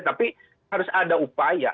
tapi harus ada upaya